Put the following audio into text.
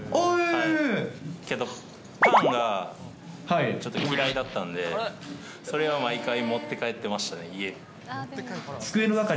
けど、パンがちょっと嫌いだったんで、それは毎回持って帰ってましたね、家に。